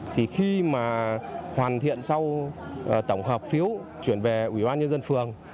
thì khi mà hoàn thiện sau tổng hợp phiếu chuyển về ủy ban nhân dân phường